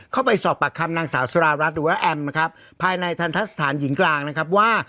เข้าไปสอบปากคำนางสาวสุรารัฐหรือว่าแอมนะครับภายในทันทะสถานหญิงกลางนะครับว่า